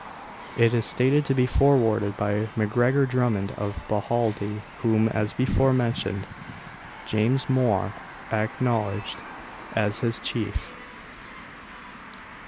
It is stated to be forwarded by MacGregor Drummond of Bohaldie, whom, as before mentioned, James Mhor acknowledged as his chief.